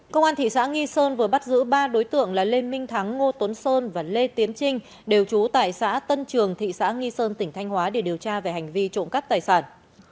công an thị xã nghi sơn vừa bắt giữ ba đối tượng là lê minh thắng ngô tuấn sơn và lê tiến trinh đều trú tại xã tân trường thị xã nghi sơn tỉnh thanh hóa để điều tra về hành vi trộm cắp tài sản